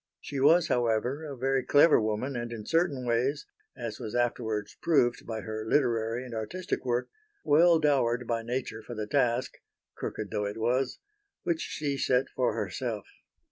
She was, however, a very clever woman and in certain ways as was afterwards proved by her literary and artistic work well dowered by nature for the task crooked though it was which she set for herself.